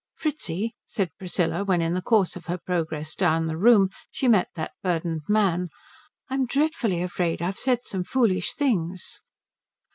"Fritzi," said Priscilla, when in the course of her progress down the room she met that burdened man, "I'm dreadfully afraid I've said some foolish things."